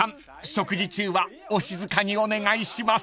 食事中はお静かにお願いします］